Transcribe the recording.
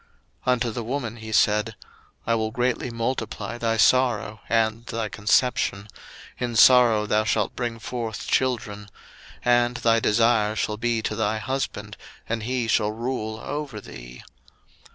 01:003:016 Unto the woman he said, I will greatly multiply thy sorrow and thy conception; in sorrow thou shalt bring forth children; and thy desire shall be to thy husband, and he shall rule over thee.